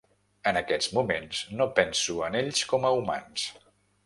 En aquests moments, no penso en ells com a humans.